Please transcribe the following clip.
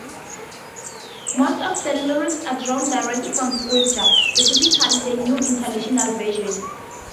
Most of the lyrics are drawn directly from scripture, specifically the New International Version.